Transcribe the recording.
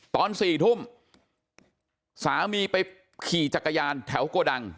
ตอน๔ทุ่มสามีไปขี่จักรยานแถวโกดัง